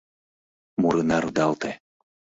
Мурына рудалте